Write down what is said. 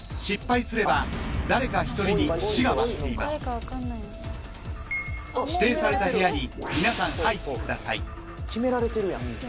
失敗すれば誰か１人に死が待っています指定された部屋に皆さん入ってください決められてるやん